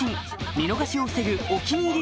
見逃しを防ぐ「お気に入り」